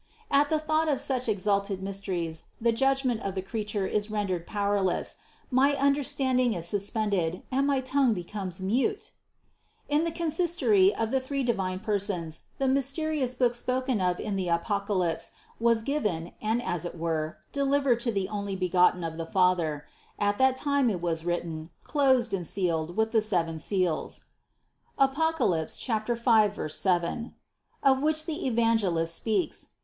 At the thought of such exalted mysteries the judgment of the creature is rendered powerless, my understanding is suspended, and my tongue becomes mute! 1 16. In the consistory of the three divine Persons the mysterious book spoken of in the Apocalypse was given and, as it were, delivered to the Onlybegotten of the Father; at that time it was written, closed, and sealed with the seven seals (Apoc. 5, 7), of which the Evan gelist speaks.